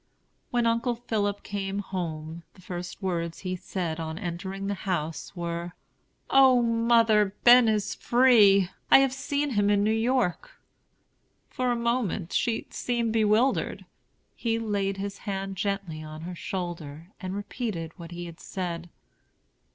When Uncle Philip came home, the first words he said, on entering the house, were: "O mother, Ben is free! I have seen him in New York." For a moment she seemed bewildered. He laid his hand gently on her shoulder and repeated what he had said.